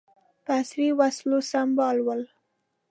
په عصري وسلو سمبال ول.